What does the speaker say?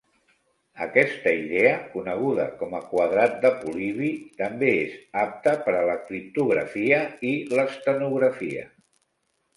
Aquesta idea, coneguda com a "quadrat de Polibi", també és apta per a la criptografia i l'estenografia.